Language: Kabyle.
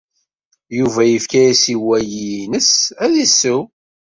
Yuba yefka-as i wayis-nnes ad isew.